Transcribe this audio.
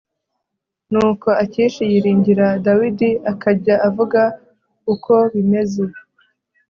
nuko akishi yiringira dawidi akajya avuga uko bimmeze